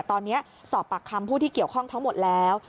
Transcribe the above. ตอนนี้สอบปากคำผู้ที่เกี่ยวข้องทั้งหมดแล้ว